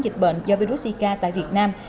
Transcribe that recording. dịch bệnh do virus zika tại việt nam